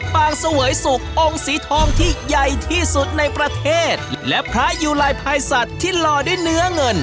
เสวยสุกองค์สีทองที่ใหญ่ที่สุดในประเทศและพระอยู่ลายภายสัตว์ที่หล่อด้วยเนื้อเงิน